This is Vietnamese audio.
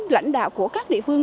lãnh đạo của các địa phương